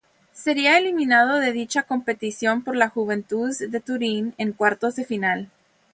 Sería eliminado de dicha competición por la Juventus de Turín en cuartos de final.